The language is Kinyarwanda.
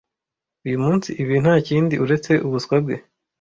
uyu munsi ibi ntakindi uretse ubuswa bwe